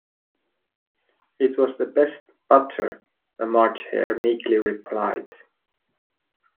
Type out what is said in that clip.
‘It was the best butter,’ the March Hare meekly replied.